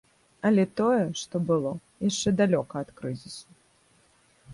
Але тое, што было, яшчэ далёка ад крызісу.